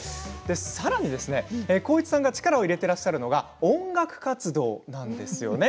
さらに浩市さんが力を入れていらっしゃるのが音楽活動なんですね。